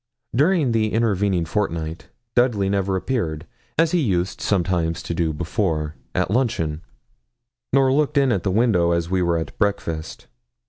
During the intervening fortnight Dudley never appeared, as he used sometimes to do before, at luncheon, nor looked in at the window as we were at breakfast.